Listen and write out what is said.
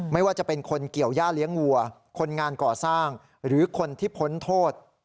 ไม่ว่าจะเป็นคนเกี่ยวย่าเลี้ยงวัวคนงานก่อสร้างหรือคนที่พ้นโทษ